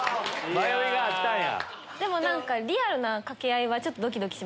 迷いがあったんや。